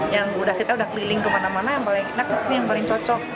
yang udah kita udah keliling kemana mana yang paling enak di sini yang paling cocok